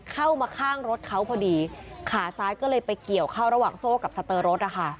เข้ามาข้างรถเขาพอดีขาซ้ายก็เลยไปเกี่ยวเข้าระหว่างโซ่กับสเตอร์รถนะคะ